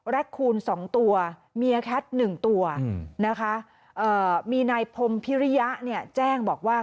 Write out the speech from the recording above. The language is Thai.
แรกคูณ๒ตัวเมียแคท๑ตัวนะคะมีนายพรมพิริยะเนี่ยแจ้งบอกว่า